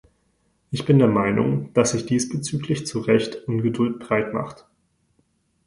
Ich bin der Meinung, dass sich diesbezüglich zu Recht Ungeduld breitmacht.